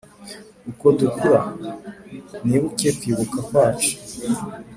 uko dukura, nibuke kwibuka kwacu.